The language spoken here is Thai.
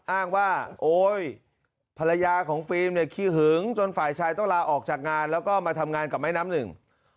อ้างว่าโอ๊ยภรรยาของฟิล์มเนี่ยขี้หึงจนฝ่ายชายต้องลาออกจากงานแล้วก็มาทำงานกับแม่น้ำหนึ่ง